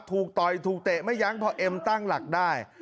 ต่อยถูกเตะไม่ยั้งพอเอ็มตั้งหลักได้